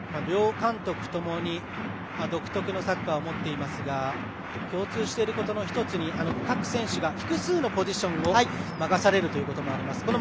両監督ともに独特のサッカーを持っていますが共通していることの１つに各選手が複数のポジションを任されるということもあります。